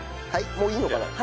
もういいのかな？